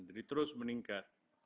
jadi terus meningkat